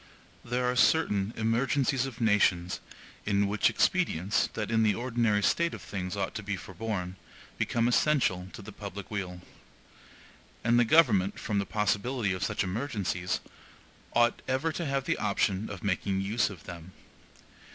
There are certain emergencies of nations, in which expedients, that in the ordinary state of things ought to be forborne, become essential to the public weal. And the government, from the possibility of such emergencies, ought ever to have the option of making use of them.